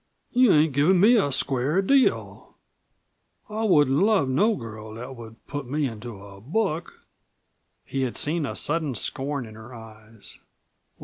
"You ain't givin' me a square deal. I wouldn't love no girl that would put me into a book." He had seen a sudden scorn in her eyes.